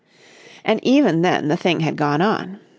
And even then the thing had gone on.